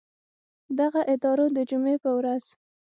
دغه ادارو د جمعې په ورځ